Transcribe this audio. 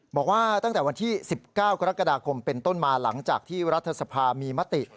บอกว่าตั้งแต่วันที่๑๙กรกฎาคมเป็นต้นมาหลังจากที่รัฐสภามีมติ